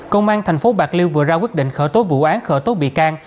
công an thành phố bạc liêu vừa ra quyết định khởi tố vụ án khởi tố bị can